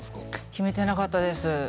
決めていなかったです